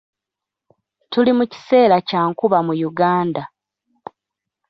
Tuli mu kiseera kya nkuba mu Uganda.